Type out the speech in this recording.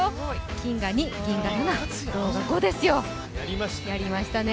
金が２、銀が７、銅が５ですよ、やりましたね。